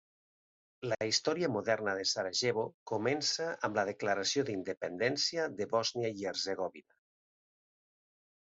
La història moderna de Sarajevo comença amb la declaració d'independència de Bòsnia i Hercegovina.